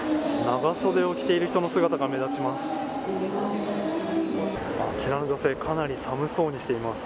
長袖を着ている人の姿が目立ちます。